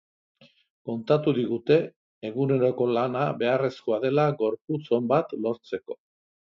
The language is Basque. Kontatu digute eguneroko lana beharrezkoa dela gorputz on bat lortzeko.